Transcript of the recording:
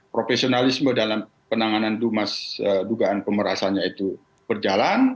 profesionalisme dalam penanganan dumas dugaan pemerasannya itu berjalan